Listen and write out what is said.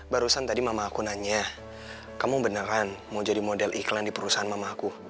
barusan tadi mama aku nanya kamu beneran mau jadi model iklan di perusahaan mamaku